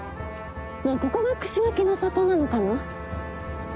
ここが串柿の里なのかな？